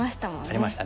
ありましたね。